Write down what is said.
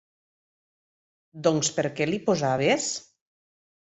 Doncs, per què l'hi posaves?